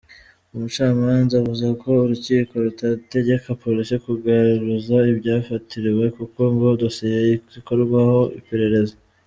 Umucamanza avuze ko urukiko rutategeka polisi kugaruza ibyafatiriwe kuko ngo dosiye igikorerwaho iperereza.